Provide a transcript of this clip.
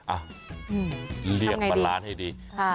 อ่ะเรียกบัลลานซ์ให้ดี